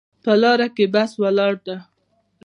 په لاره کې بس ولاړ ده